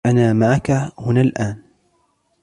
أنا معك هنا الآن